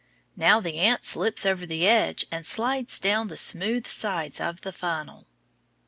Now the ant slips over the edge and slides down the smooth sides of the funnel.